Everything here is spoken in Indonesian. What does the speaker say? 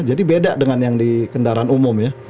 jadi beda dengan yang di kendaraan umum ya